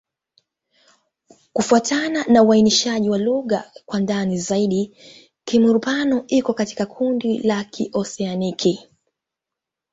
Kufuatana na uainishaji wa lugha kwa ndani zaidi, Kimur-Pano iko katika kundi la Kioseaniki.